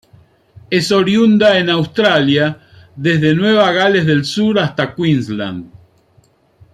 Es oriunda en Australia, desde Nueva Gales del Sur hasta Queensland.